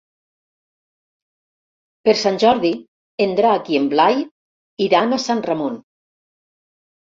Per Sant Jordi en Drac i en Blai iran a Sant Ramon.